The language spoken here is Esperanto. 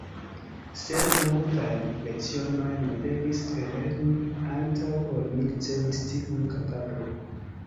Sed multajn lecionojn mi devis ellerni, antaŭ ol mi ricevis tiun kapablon.